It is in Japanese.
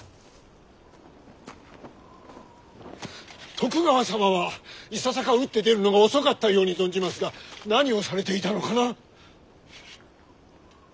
徳川様はいささか打って出るのが遅かったように存じますが何をされていたのかな？